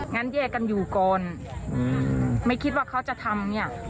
งั้นแยกกันอยู่ก่อนไม่คิดว่าเขาจะทำเนี่ย